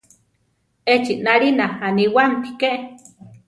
Echi nalina aniwáamti ké.